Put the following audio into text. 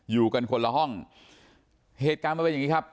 อยู่กันคนละห้องเหตุการณ์มันเป็นอย่างนี้ครับ